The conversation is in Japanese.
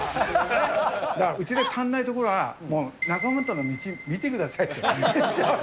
うちで足らないところはもう中本の道、見てくださいって。